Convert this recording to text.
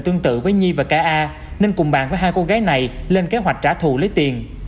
tương tự với nhi và k a nên cùng bạn với hai cô gái này lên kế hoạch trả thù lấy tiền